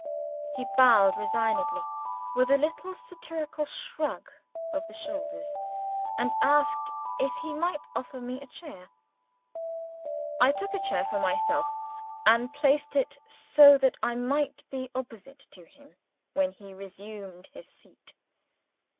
He bowed resignedly, with a little satirical shrug of the shoulders, and asked if he might offer me a chair. I took a chair for myself, and placed it so that I might be opposite to him when he resumed his seat.